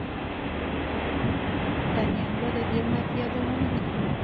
برتانويان به د دې ماتې یادونه کوي.